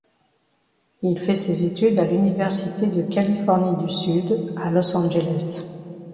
Il fait ses études à l'Université de Californie du Sud à Los Angeles.